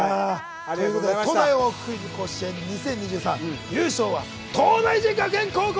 東大王クイズ甲子園２０２３、優勝は東大寺学園高校